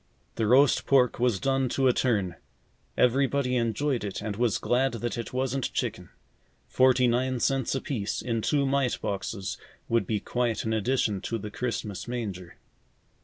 The roast pork was done to a turn. Everybody enjoyed it and was glad that it wasn't chicken. Forty nine cents apiece, in two mite boxes, would be quite an addition to the Christmas manger.